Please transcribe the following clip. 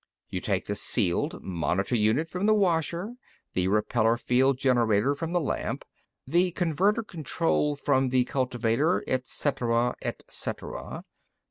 "You take the sealed monitor unit from the washer, the repeller field generator from the lamp, the converter control from the cultivator, et cetera, et cetera.